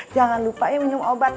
jangan lupanya minum obat